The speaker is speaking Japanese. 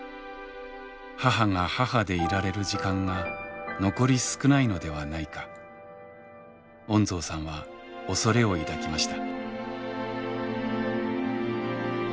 母が母でいられる時間が残り少ないのではないか恩蔵さんは恐れを抱きました。